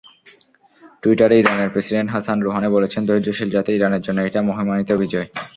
টুইটারে ইরানের president Hassan Rouhani বলেছেন, ধৈর্যশীল জাতি ইরানের জন্য এটা মহিমান্বিত বিজয়।